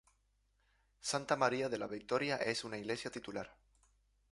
Santa María de la Victoria es una "iglesia titular".